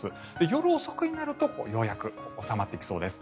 夜遅くになるとようやく収まってきそうです。